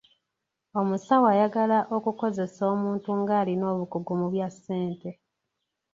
Omusawo ayagala okukozesa omuntu ng'alina obukugu mu bya ssente.